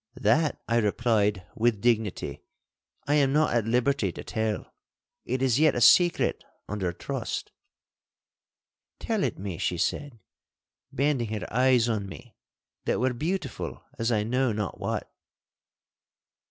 'That,' I replied, with dignity, 'I am not at liberty to tell. It is yet a secret under trust.' 'Tell it me,' she said, bending her eyes on me, that were beautiful as I know not what.